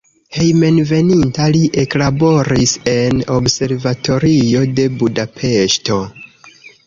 Hejmenveninta li eklaboris en observatorio de Budapeŝto.